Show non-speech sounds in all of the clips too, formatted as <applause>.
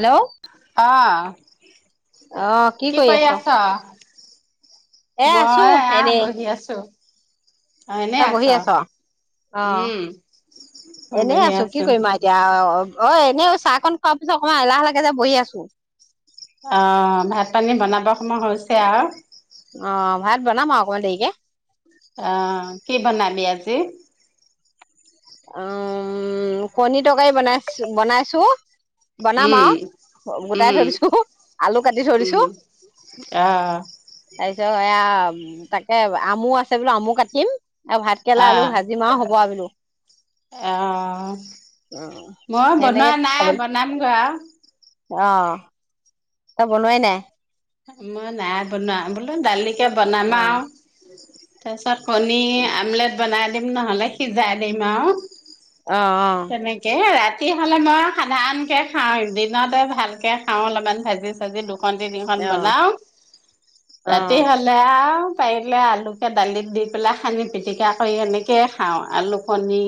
Hello অ কি কৰি আছ এ আছো মই এয়া এনেই বহি আছো। অ', এনেই এতিয়া আছ? বহি আছোঁ আও অ উম, এনে আছো কি কৰিম। এতিয়া অ এনে চাহ কন খোৱাৰ পিছত অকমান এলাহ লাগে যে বহি আছো। অ ভাত পানী বনাব সময় হৈছে আও অ ভাত বনাম আও অকমান দেৰিকে। অ কি বনাবি আজি উম কণী তৰকাৰী বনাইছ বনাইছো। বনাম উম, আও গোটাই উম, থৈ দিছো আলু কাটি থৈ উম, দিছো। অ তাৰপিছত এয়া তাকে আমো আছে বোলে আমো কাটিম। আৰু ভাত কেৰেলা আলু অ', ভাজিম আও হব আও বোলো। অ অ মইয়ো বনোৱা সেনেকে নাই খাবলৈ বনামগৈ আও অ তই বনোৱাই নাই মই নাই বনোৱা বোলো দালিকে বনাম অ আও তাৰপিছত কণী আমলেট বনাই দিম নহ'লে সিজাই দিম আও অ অ তেনেকে ৰাতি হ'লে মই সাধাৰণকে খাওঁ দিনতে ভালকে খাও অলপমান ভাজি চাজি দুখন তিনিখন অ অ বনাও অ ৰাতি হলে আও পাৰিলে আলুকে দালিত দি পেলাই সানি পিটিকা কৰি এনেকে খাওঁ, আলু কণী।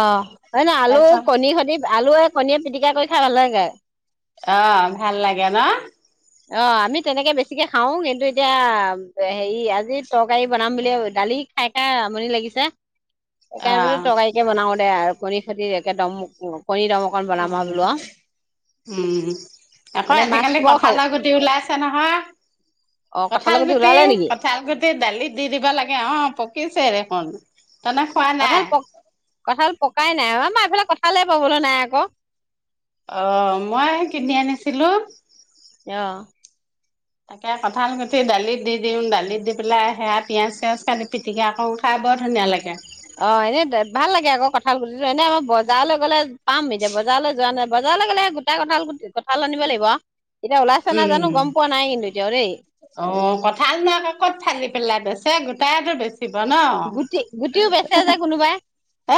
অ হয় নাই আলু কণী তাৰপিছত সৈতি আলু কণীয়ে পিটিকা কৰি খাই ভাল লাগে। অ ভাল লাগে ন অ আমি তেনেকে বেছিকে খাও কিন্তু এতিয়া হেৰি আজি তৰকাৰী বনাম বুলি দালি খাই খাই আমনি লাগিছে। তাকে বোলো অ' তৰকাৰী কে বনাও দে আৰু কণীৰ সৈতি একে দম, কণী দম অকন অ বনাম আৰু বোলো আৰু উম। আকৌ মানে মাছ আজিকালি খোপাও খাব কঠালৰ গুটি ওলাইছে নহয়, অ কঁঠালৰ কঠাল গুটি ওলালে নেকি কঠাল গুটি দালিত দি দিব লাগে, অ পকিছে দেখোন, তেনে খোৱা নাই কঁঠাল প, কঁঠাল পকাই নাই, অ আমাৰ এইফালে কঁঠালে পাবলৈ নাই আক অ মই কিনি আনিছিলো। অ'। তাকে কঁঠাল কুটি দালিত দি দিওঁ দালিত দি পেলাই সেয়া পিয়াজ-চিয়াজ কাটি পিটিকা কৰোঁ। খাই বৰ ধুনীয়া লাগে। অ'এনেই দে ভাল লাগে আকৌ কঁঠাল গুটিটো এনে আমাৰ বজাৰলৈ গ'লে পাম এতিয়া বজাৰলৈ যোৱা নাই বজাৰলৈ গ'লে গোটা কথাল গুট কথাল আনিব লাগিব আ এতিয়া ওলাইছে নে নাই উম জানো গম পোৱা নাই কিন্তু এতিয়াও দেই। অ' কঁঠাল নাই আকৌ ক'ত ফালি পেলাই বেচে গোটায়েটো বেছ বেচিব ন'। গুটি গুটিও বেচে যে কোনোবাই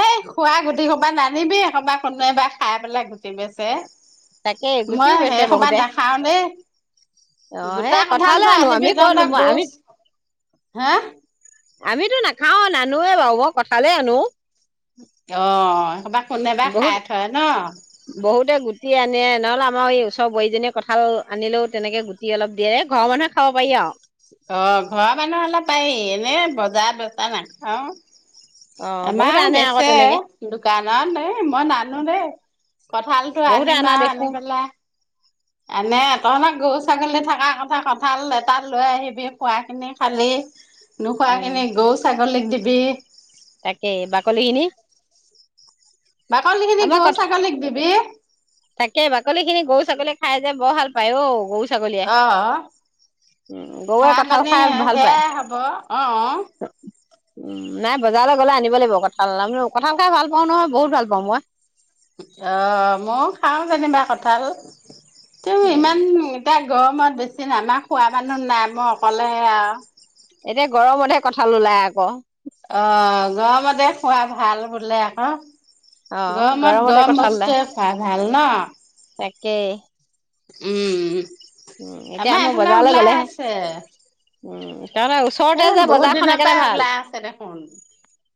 এই খোৱা গুটি সোপা নানিবি এইসোপা কোনেবা খাই পেলাই গুটি বেচে। তাকে মই গুটিও বেচে সেইসোপা বহুতে নাখাও দে অ গোটা সেই কঁঠালে কঠালটো আনো আমি আনিবি ক'ত কাৰনে আমি গৈছোঁ হা? আমিতো নাখাও নানোৱেই বাৰু মই কঠালেই আনো। অ'এইসোপা কোনেবা বহুত খাই থয় ন'। বহুতে গুটি আনে নহ'লে আমাৰ এই ওচৰ বোৱাৰীজনীয়ে কঁঠাল আনিলেও তেনেকে গুট গুটি অলপ দিয়ে এ ঘৰৰ মানুহে খাব পাৰি আও। অ'ঘৰৰ মানুহ হলে পাৰি এনে বজাৰবোৰৰ পৰা নাখাওঁ। অ বহুতে আমাৰ আনে আকৌ বেচে তেনেকে দোকানত এই মই নানো দে কঁঠাল টো বহুতে আনিম আনা বা দেখো আনি পেলাই এনে তহঁতৰ গৰু, ছাগলী থকা কথা কঁঠাল এটা লৈ আহিবি খোৱাখিনি খালি উম নোখোৱাখিনি গৰু, ছাগলীক দিবি। তাকেই বাকলিখিনি? বাকলি খিনি গৰু, ছাগলীক দিবি। তাকেই বাকলি খিনি গৰু, ছাগলী খাই যে বৰ ভাল পায় অ' গৰু ছাগলীয়ে অ', উম গৰুৱে ঘাঁহ, কঁঠাল পানী খাই ভাল পায় সেয়াই হ'ব অ'। উম' নাই বজাৰলৈ গ'লে আনিব লাগিব কঁঠাল এটা <unintelligible> কঠাল খাই ভাল পাওঁ নহয় বহুত ভাল পাওঁ মই। অ' ময়ো খাওঁ যেনিবা কঠাল <unintelligible> উম ইমান এতিয়া গৰমত বেছি নাই আমাৰ খোৱা মানুহ নাই মই অকলেহে আৰু এতিয়া গৰমতহে কঠাল ওলাই আকৌ। অ'গৰমতে খোৱা ভাল বোলে আকৌ। অ গৰমত গৰমতে গৰম কঁঠাল ওলাই বস্তুৱে খোৱা ভাল ন'? তাকেই। উম, উম, উম উম, এতিয়া আমিও বজাৰলে গ'লেহে উম, তাৰপা ওচ এ বহুত দিনৰ পাই ওলাই আছে দেখোন।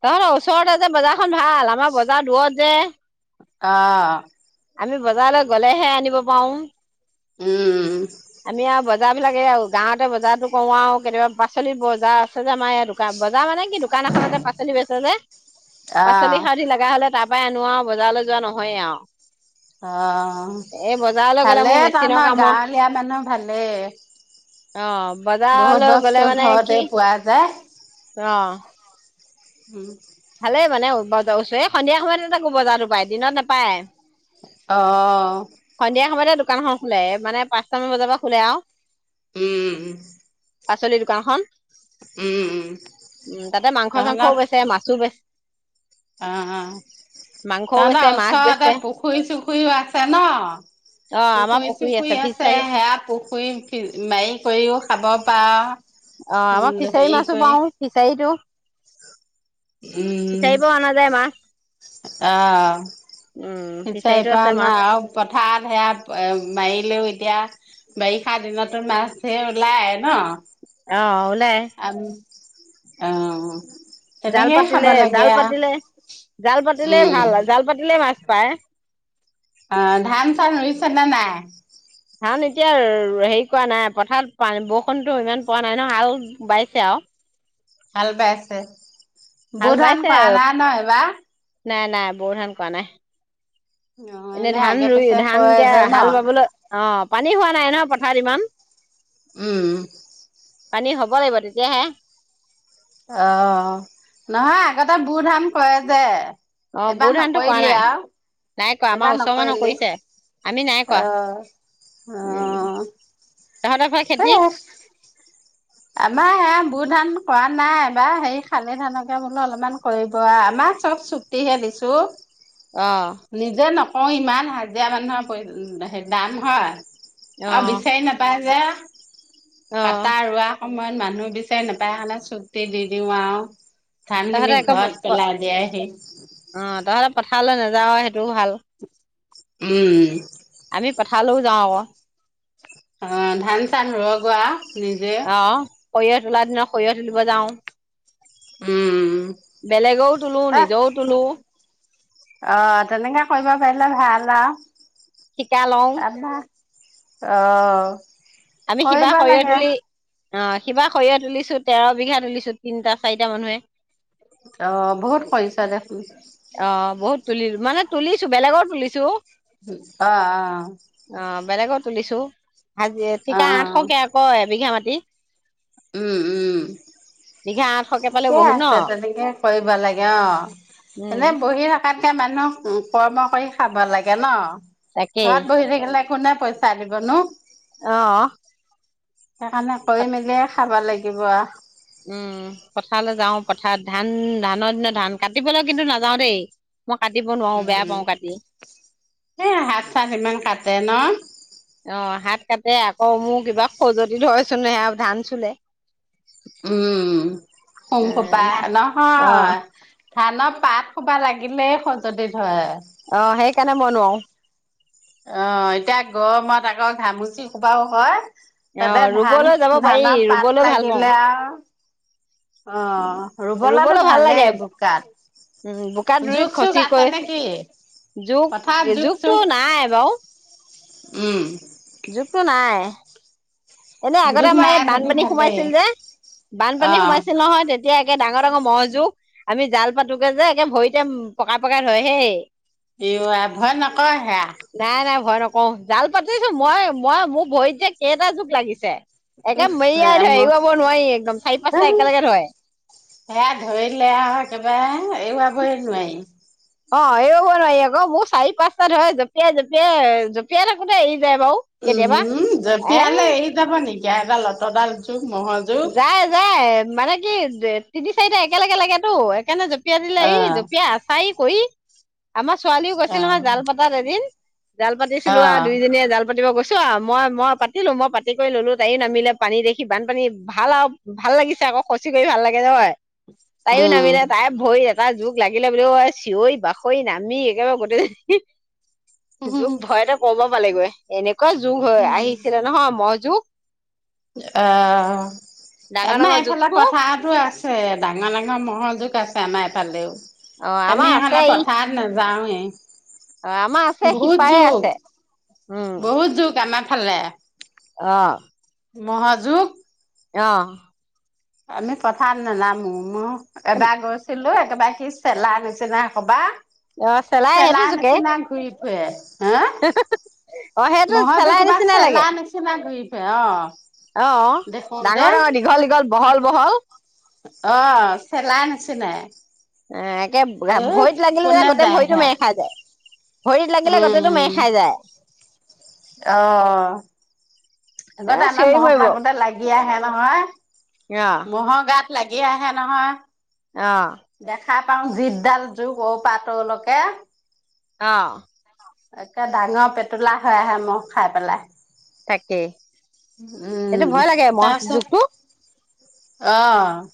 তহতৰ ওচৰতে যে বজাৰখন ভাল আমাৰ বজাৰ দূৰত যে। অ', আমি বজাৰলৈ গ'লেহে আনিব পাও। উম, উম, আমি আৰু বজাৰ বিলাক এ আৰু গাঁৱতে বজাৰটো কৰো আৰু কেতিয়াবা পাচঁলি বজাৰ আছে যে আমাৰ ইয়াতো। বজাৰ মানে কি দোকান এখনতে পাচঁলি বেচে যে পাচঁলি অ', সাৰধি লাগা হলে তাপ তাৰ পাই আনো আওঁ বজাৰলৈ যোৱা নহয়ে আওঁ। অ' বজাৰলৈ গ'লে মোৰ ভালেই মেচিনৰ <unintelligible> কামৰ গাঁৱলীয়া মানুহ ভালেই। অ বহুত বজাৰলৈ গ'লে বস্তু মানে ঘৰতে কি পোৱা যায়। উম, ভালে মানে <unintelligible> ওচৰে সন্ধিয়া সময়ত তাকো বজাৰটো পায়, দিনত নেপায়। অ' সন্ধিয়া সময়তে দোকানখন খোলে, মানে পাঁচটামান বজাৰ পৰা খোলে আও উম' পাচলি দোকানখন, উম, উম', তাতে মাংস চাংসও তহঁতৰ বেছে, মা <unintelligible> অ', মাংসও তহঁতৰ বেচে মাছ ওচৰতে বেচে পুখুৰী চুখুৰীও আছে ন অ আমাৰ পুখুৰী চুখুৰী আছে, ফিচাৰী সেয়া পুখুৰী মাৰি কৰিও খাব পাৰ। অ', আমা উম ফিচাৰী হেৰি মাছো কৰি পাওঁ, ফিচাৰীতো। উম' <unintelligible> মা অ' উম ফিচাৰী ফিচাৰীটো পৰা আছে অনা, মাছ আৰু পথাৰত সেয়া মাৰিলেও এতিয়া বাৰিষা দিনতো মাছ ধেৰ ওলাই ন। অ', ওলাই। আম অ' জাল তেনেকেই খাব পাতিলে, লাগে জাল আৰু পাতিলে, জাল পাতিলে উম ভাল, জাল পাতিলে মাছ পায়। অ', ধান-চান ৰুইছে নে নাই? ধান এতিয়া হেৰি কৰা নাই, পথাৰত পান বৰষুণতো ইমান পোৱা নাই নহয় আৰু বাইছে আৰু হাল বাই আছে। ভাল পাইছে আৰু, এইবাৰ? নাই নাই বৰ ধান কৰোৱা নাই। অ এনেই এনে ধান আগে ৰুই, পিছে ধান কৰে এতিয়া যে হাল ন বাবলৈ, অ', পানী হোৱা নাই ন পথাৰত ইমান? উম' পানী হ'ব লাগিব, তেতিয়াহে অ', নহয় আগতে বু ধাম কৰে যে' অ', এইবাৰ বু ধানটো কৰা নকৰিলি নাই। আৰু নাই কৰা, এইবাৰ আমাৰ ওচৰ মানুহ নকৰিলি কৰিছে, আমি নাই কৰা। অ', অ'। তহঁতৰ ফালে খেতি সেয়ে আমাৰ এয়া বু ধান কৰা নাই, এইবাৰ হে শালি ধানকে বোলো অলপমান কৰিব আৰু, আমাৰ চব চু <unintelligible> দিছোঁ। অ' নিজে নকওঁ ইমান, হাজিৰা মানুহৰ পৰি দাম হয়। অ', বিচাৰি নাপায় যে। কটা অ', ৰোৱা সময়ত মানুহ বিচাৰি নোপায় কাৰণে চুক্তি দি দিও আৰু। তহঁতে ধানখিনি আকৌ ঘৰত পেলায় দিয়ে আহি। অ', তহতে পথাৰলৈ নাযাৱয়ে সেইটোও ভাল। উম'। আমি পথাৰলৈও যাওঁ আকৌ। অ', ধান চান ৰ গোৱা নিজে। অ', সৰিয়হ তোলাৰ দিনত সৰিয়হ তুলিব যাওঁ উম'। বেলেগও তোলো নিজও তোলো। অ', তেনেকে কৰিব পাৰিলে ভাল। শিকা লওঁ <unintelligible> অ' আমি কৰিব সিবাৰ সৰিয়হ লাগে তুলি অ সিবা সৰিয়হ তুলিছো তেৰ বিঘা তোলিছো তিনটা চাৰিটা মানুহে। অ বহুত কৰিছা দেখোন। অ বহুত তুলিলো মানে তুলিছো বেলেগৰ তুলিছো। অ অ। অ বেলেগৰ তুলিছো হাজি অ', ঠিক অ', আঠশকে আক এবিঘা মাটিত। উম উম। বিঘা আঠশকে পালেও ঠিকে বহুত ন আছে তেনেকে কৰিব লাগে অ উম। এনে বহি থাকো। তাকে মানুহ কৰ্ম কৰি খাব লাগে ন তাকেই ঘৰত বহি থাকিলে কোনে পইচা, চা দিব নো। অ। সেইকাৰণে কৰি মেলি এই খাব লাগিব আউ। উম পথাৰলৈ যাওঁ পথাৰত ধান ধানৰ দিনত ধান কাটিবলৈ কিন্তু নাযাও দেই। মই কাটিব নোৱাৰো বেয়া পাও কাটি। এইয়া হাত চাত ইমান কাটে ন। অ হাত কাটে আকৌ মোৰ কিবা খজুৱতি ধৰেচোন সেয়া ধান চুলে। উম সোম খোপা অ নহয়। ধানৰ পাত খোবা লাগিলেই খজুতি ধৰে। অ সেইকাৰণে মই নোৱাৰো। অ এতিয়া গৰমত আকৌ ঘামুচি খোবাও হয়। অ তাতে ধান ৰুবলৈ যাব পাৰি ধানৰ ৰুবলৈ পাত ভাল পাওঁ লাগিলে আউ। অ ৰুবলৈতো ৰুবলৈ ভাল ভালেই লাগে বোকাত। উম বোকাত ৰুই জোক চোক খচি আছে কৈ নেকি পথাৰত জোক চোক জোকটো নাই বাও। উম। জুকটো নাই। এনেই আগতে জোক আমাৰ নাই ইয়াত যদি বানপানী ভালেই সোমাইছিল যে অ বানপানী সোমাইছিল নহয় তে, তিয়া একে ডাঙৰ ডাঙৰ মহজোক। আমি জাল পাতোগে যে একে ভৰিতে পকাই পকাই ধৰে হেই। ই আই ভয় নকৰে হেয়া। নাই নাই ভয় নকওঁ জাল পাতিছো মই মই মোৰ ভৰিত যে কেইটা জুক লাগিছে। একে মেৰিয়াই সেয়া ধৰে উফ এওৱাব নোৱাৰি একদম চাৰি পাঁচটা একেলগে ধৰে। সেয়া ধৰিলে আউ একেবাৰে এৰুৱাবই নোৱাৰি। অ এই হ'ব নোৱাৰি মোৰ চাৰি পাঁচটাত হয় জঁপিয়াই জঁপিয়াই থাকোতে এৰি যায় বাৰু, কেতিয়াবা উমম এ জপিয়ালে এৰি যাব নেকি এডাল অতডাল জুক ম'হৰ জোক। যায় যায় মানে কি তিনি চাৰিটা একেলগে লাগে‌তো সেইকাৰণে জ জপিয় দিলা ই আহ জপিয়া আচাই কৰি আমাৰ ছোৱালিউ‌ গৈছিল আহ জাল পতাত এদিন। জাল পাতিছিলো আৰু আহ দুইজনীয়ে জাল, পাতিব গৈছো মই মই পাতিলো মই পাতি কৰি ললো তায়ো নামিলে পানী দেখি বানপানী। ভাল আৰু ভাল লাগিছে আকৌ খচি কৰি ভাল লাগে নহয় তাইও নামিলে উম তাই, ভৰিত এটা জোক লাগিলে বোলেও চিঞৰি বাখৰি নামি একেবাৰে গোটেইখন, যুগ ভয়তে কব পালেগৈে এনেকুৱা যুগ হৈ আহিছিলে নহয় মজোক অ ডাঙৰ আমাৰ ডাঙৰ এইফালে জোকটো পথাৰতো আছে। আ ডাঙৰ ডাঙৰ মহ জোক আছে আমাৰ এইফালেও অ আমাৰ আমি আছে এইফালে ই পথাৰত, নাযাওঁৱে। আমাৰ আছে সিপাৰে আছে। উম বহুত জুক আমাৰ ফালে। অঁ',। <unintelligible> অঁহ'। আমি পথাৰত নেনামো, মইও এবাৰ গৈছিলো একেবাৰে সি চেলাই নিচিনা ক'বা অ চেলাই চেলা সেইটো জোকে নিচিনা ঘূৰি ফুৰে। হেঁ? অ সেইটো ম'হটো চেলাই কিবা নিচিনা চেলা নিচিনা ঘূৰি ফুৰে অঁ',। অঁ', ডাঙৰ-ডাঙৰ দীঘল-দীঘল বহল-বহল। অ', চেলা নিচিনাই। এ' একে এই ভৰিত লাগিলে যে কোনে গোটেই যায় ভৰিটো সেয়াত মেৰ খাই যায়। ভৰিত লাগিলে উম গোটেতো মেৰ উম খাই যায়। অ', এ আগতে আমাৰ চিঞৰি ম'হ মৰিব থাকোতে লাগি আহে নহয়। <inaudible> ম'হৰ গাত লাগি আহে নহয়। অঁ',। দেখা পাওঁ জিডাল জোক অৰ পৰা তৰলৈকে। অঁ', একে ডাঙৰ পেটুলা হৈ আহে ম'হ খাই পেলাই। তাকেই এইটো উমঁ, ভয় লাগে মহ তাৰপিছত জোকটো অ',।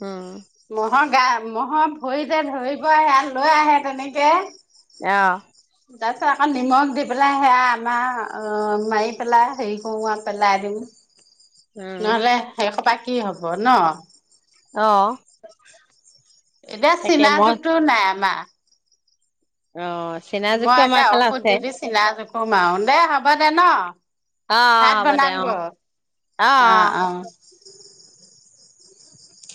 উম। ম'হৰ গা ম'হৰ ভৰিতে ধৰিব আহে সেইয়া লৈ আহে তেনেকে। অঁহ'। তাৰপিছত আকৌ নিমখ দি পেলাই সেয়া আমাৰ মাৰি পেলাই হেৰি কৰোঁ আৰু পেলাই দিওঁ। <inaudible> নহ'লে সেই হোপা কি হ'ব ন'। অঁ',। এতিয়া চীনা মই জোকটো নাই আমাৰ। অঁহ', চীনা মই জোকটো একে আমাৰ এইফালে ঔষধ দি আছে। দি চীনা জোকো মাৰোঁ। দে হ'ব দে ন'? অ অ ভাত হ'ব দে বনাঙ অ গৈ, অ অ অঁ', -অঁ',।